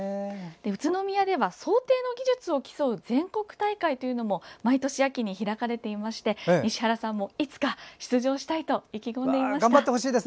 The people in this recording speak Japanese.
宇都宮では装蹄の技術を競う全国大会も毎年秋に開かれていて西原さんもいつか出場したいと意気込んでいました。